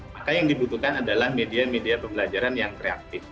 maka yang dibutuhkan adalah media media pembelajaran yang reaktif